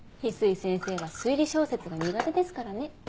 翡翠先生は推理小説が苦手ですからね。